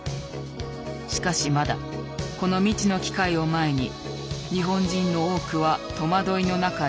しかしまだこの未知の機械を前に日本人の多くは戸惑いの中にいた。